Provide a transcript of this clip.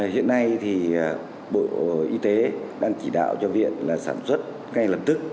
hiện nay thì bộ y tế đang chỉ đạo cho viện là sản xuất ngay lập tức